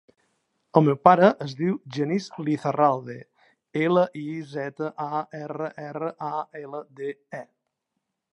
El meu pare es diu Genís Lizarralde: ela, i, zeta, a, erra, erra, a, ela, de, e.